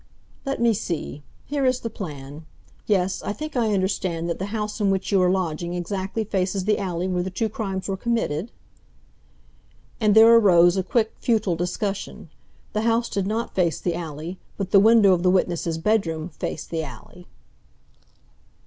"Let me see! Here is the plan. Yes—I think I understand that the house in which you are lodging exactly faces the alley where the two crimes were committed?" And there arose a quick, futile discussion. The house did not face the alley, but the window of the witness's bedroom faced the alley.